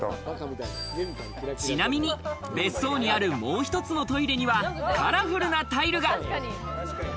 ちなみに、別荘にあるもう一つのトイレにはカラフルなタイルが。